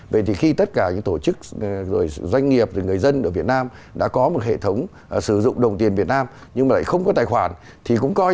vậy thì khi tất cả những tổ chức rồi doanh nghiệp rồi người dân ở việt nam đã có một hệ thống sử dụng đồng tiền việt nam nhưng mà lại không có tài khoản thì cũng coi